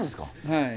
はい